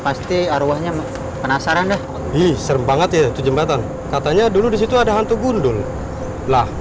pasti arwahnya penasaran deh serem banget ya itu jembatan katanya dulu disitu ada hantu gundul lah